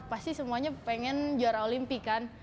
pasti semuanya pengen juara olimpik kan